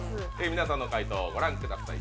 皆さんの解答をご覧ください